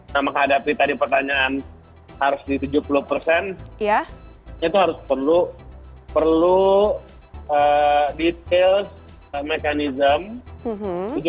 nah menghadapi tadi pertanyaan harus di tujuh puluh persen itu harus perlu detail mekanisme